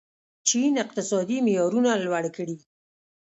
چین اقتصادي معیارونه لوړ کړي.